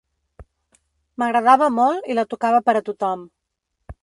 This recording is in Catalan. M'agradava molt i la tocava per a tothom.